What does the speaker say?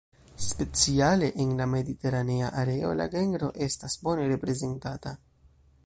Speciale en la mediteranea areo la genro estas bone reprezentata.